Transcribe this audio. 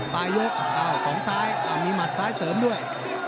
ปลายยกสองซ้ายมีหมัดซ้ายเสริมด้วย